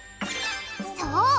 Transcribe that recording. そう！